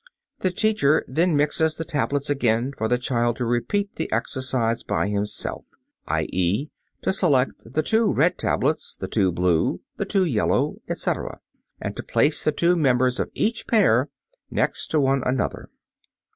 The teacher then mixes the tablets again for the child to repeat the exercise by himself, i.e., to select the two red tablets, the two blue, the two yellow, etc., and to place the two members of each pair next to one another.